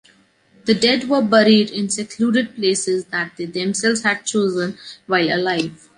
The dead were buried in secluded places that they themselves had chosen while alive.